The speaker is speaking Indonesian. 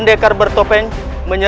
jika ada sesuatu lepas ya